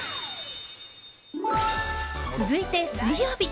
続いて、水曜日。